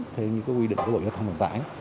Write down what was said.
thế như cái quy định của bộ giao thông hồ tải